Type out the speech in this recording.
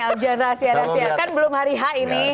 abjad rahasia rahasia kan belum hari h ini